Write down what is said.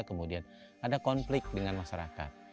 kemudian ada konflik dengan masyarakat